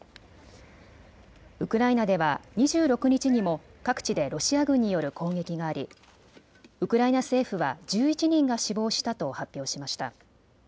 ウクライナでは２６日にも各地でロシア軍による攻撃がありウクライナ政府は１１人が死亡したと発表しました。